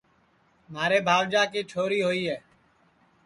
مھارے بھاوجا کی چھوڑی ہوئی ہے